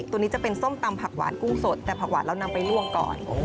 ตัวนี้จะเป็นส้มตำผักหวานกุ้งสดแต่ผักหวานเรานำไปล่วงก่อน